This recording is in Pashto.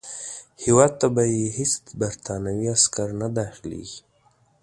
هیواد ته به یې هیڅ برټانوي عسکر نه داخلیږي.